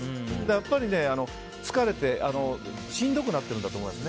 やっぱり疲れてしんどくなってるんだと思います。